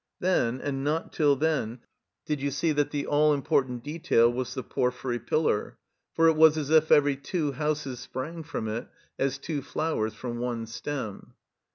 Then, and not till then, did you see that the all important detail was the porphyry pillar, for it was as if every two houses spraag from it as two flowers from one stem.